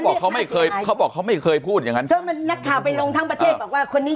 บอกเขาไม่เคยเขาบอกเขาไม่เคยพูดอย่างนั้นว่าคนนี้